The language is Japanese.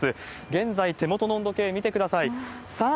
現在、手元の温度計見てください。